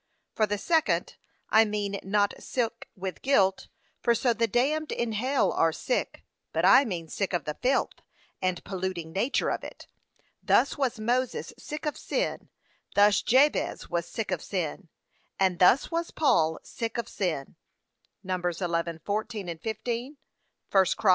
For the second. I mean not sick with guilt, for so the damned in hell are sick, but I mean sick of the filth, and polluting nature of it. Thus was Moses sick of sin, thus Jabez was sick of sin, and thus was Paul sick of sin. (Num. 11:14, 15; 1 Chron.